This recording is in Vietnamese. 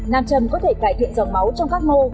nam châm có thể cải thiện dòng máu trong các mô